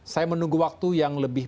saya menunggu waktu yang lebih